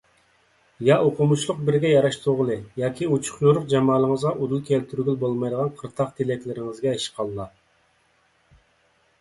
يا ئوقۇمۇشلۇق بىرىگە ياراشتۇرغىلى ياكى ئوچۇق - يورۇق جامالىڭىزغا ئۇدۇل كەلتۈرگىلى بولمايدىغان قىرتاق تىلەكلىرىڭىزگە ھەشقاللا!